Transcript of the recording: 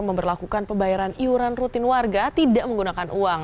memperlakukan pembayaran iuran rutin warga tidak menggunakan uang